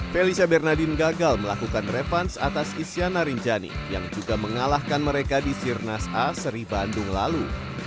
felicia bernardin gagal melakukan revans atas isyana rinjani yang juga mengalahkan mereka di sirnas a seri bandung lalu